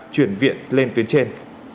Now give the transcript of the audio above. chuyển viện lên tuyến trên